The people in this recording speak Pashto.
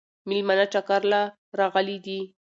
مېلمانه چکر له راغلي دي